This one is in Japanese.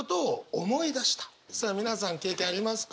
さあ皆さん経験ありますか？